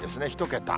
１桁。